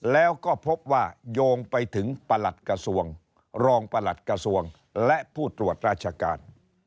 แล้วก็พบว่าโยงไปถึงประหลัดกระทรวงรองประหลัดกระทรวงและผู้ตรวจราชการ